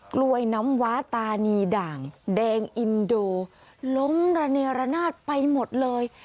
กล้วยน้ำว้าตานีด่างแดงอินโดล้มระเนรนาศไปหมดเลย